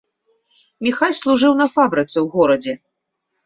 Міхась служыў на фабрыцы ў горадзе.